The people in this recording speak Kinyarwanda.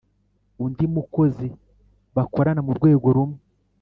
undi mukozi bakorana mu rwego rumwe